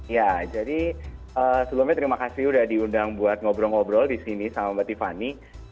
ya jadi sebelumnya terima kasih sudah diundang buat ngobrol ngobrol di sini sama mbak tiffany